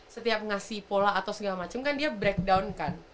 setiap ngasih pola atau segala macam kan dia breakdown kan